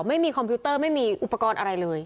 คอมพิวเตอร์ไม่มีอุปกรณ์อะไรเลย